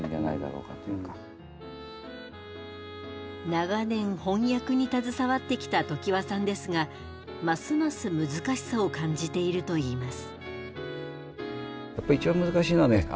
長年翻訳に携わってきた常盤さんですがますます難しさを感じていると言います。